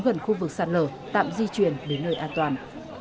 gần khu vực sạt lở tạm di chuyển đến nơi an toàn